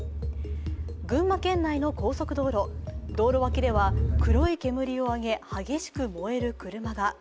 群馬県内の高速道路道路脇では黒い煙を上げ激しく燃える車が。